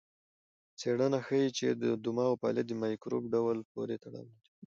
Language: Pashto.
څېړنه ښيي چې د دماغ فعالیت د مایکروب ډول پورې تړاو لري.